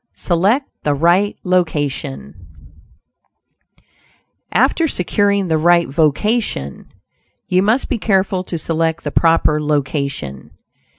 SELECT THE RIGHT LOCATION After securing the right vocation, you must be careful to select the proper location.